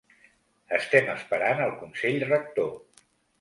Estem esperant el consell rector.